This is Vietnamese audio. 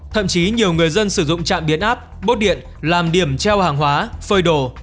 thậm chí nhiều người dân sử dụng trạm biến áp bốt điện làm điểm treo hàng hóa phơi đồ